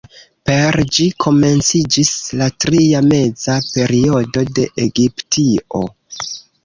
Per ĝi komenciĝis la Tria Meza Periodo de Egiptio.